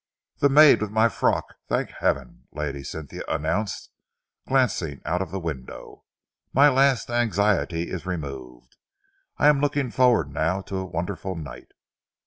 "The maid with my frock, thank heavens!" Lady Cynthia announced, glancing out of the window. "My last anxiety is removed. I am looking forward now to a wonderful night."